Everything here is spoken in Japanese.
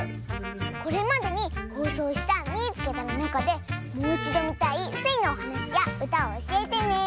これまでにほうそうした「みいつけた！」のなかでもういちどみたいスイのおはなしやうたをおしえてね！